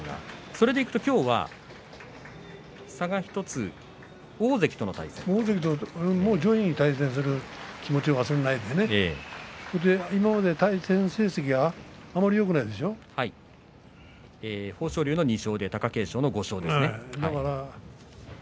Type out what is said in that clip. それでいくと今日は差が１つ上位に対戦する気持ちを忘れないで今まで対戦成績が豊昇龍の２勝貴景勝の５勝です。